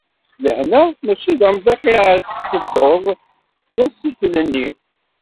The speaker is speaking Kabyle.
Lehna mačči d amḍiq iɣer tettedduḍ, d asikel-nni.